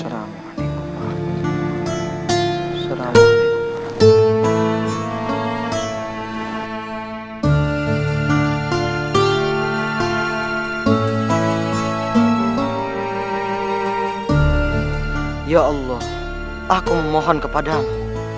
ya allah aku memohon kepadamu